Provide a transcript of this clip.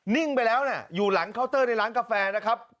่งไปแล้วอยู่หลังเคาน์เตอร์ในร้านกาแฟนะครับ